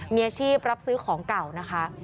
มีอาชีพรับซื้อของเก่านะคะ